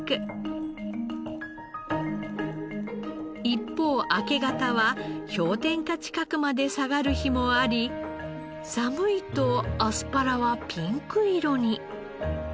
一方明け方は氷点下近くまで下がる日もあり寒いとアスパラはピンク色に。